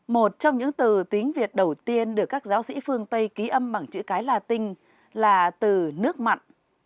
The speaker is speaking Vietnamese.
một trong những từ tiếng việt đầu tiên được các giáo sĩ phương tây ký âm bằng chữ cái la tinh là từ nước mặn